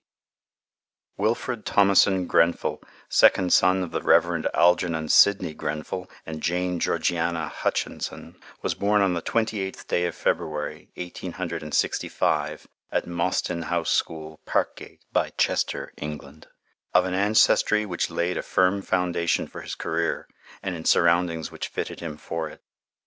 G.). Wilfred Thomason Grenfell, second son of the Rev. Algernon Sydney Grenfell and Jane Georgiana Hutchinson, was born on the twenty eighth day of February, eighteen hundred and sixty five, at Mostyn House School, Parkgate, by Chester, England, of an ancestry which laid a firm foundation for his career and in surroundings which fitted him for it.